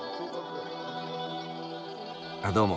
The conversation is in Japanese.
あっどうも。